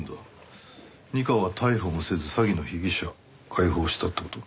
二課は逮捕もせず詐欺の被疑者解放したって事？